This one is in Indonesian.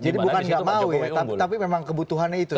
jadi bukan gak mau ya tapi memang kebutuhannya itu